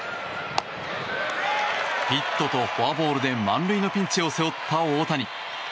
ヒットとフォアボールで満塁のピンチを背負った大谷。